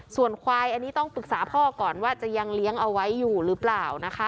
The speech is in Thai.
ส่วนควายอันนี้ต้องปรึกษาพ่อก่อนว่าจะยังเลี้ยงเอาไว้อยู่หรือเปล่านะคะ